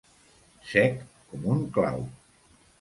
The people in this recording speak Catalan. Sec com un clau.